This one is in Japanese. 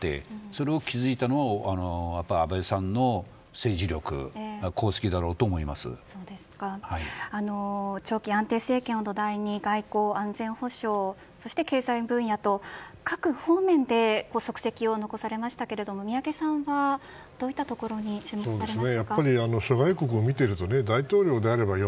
それを気付いたのは安倍さんの政治力長期安定政権を土台に外交安全保障そして経済分野と各方面で足跡を残されましたが宮家さんは、どのようなところに注目しましたか。